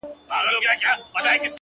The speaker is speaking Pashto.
هو په همزولو کي له ټولو څخه پاس يمه؛